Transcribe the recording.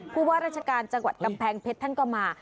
ผู้ว่าราชการจังหวัดกำแพงเพชรท่านก็มา